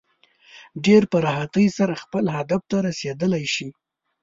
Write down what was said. ډېر په راحتۍ سره خپل هدف ته رسېدلی شي.